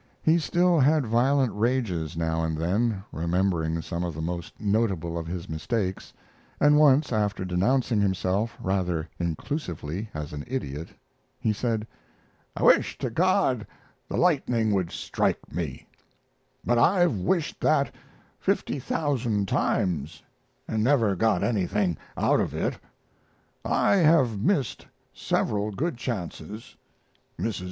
He still had violent rages now and then, remembering some of the most notable of his mistakes; and once, after denouncing himself, rather inclusively, as an idiot, he said: "I wish to God the lightning would strike me; but I've wished that fifty thousand times and never got anything out of it yet. I have missed several good chances. Mrs.